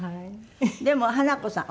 でも華子さん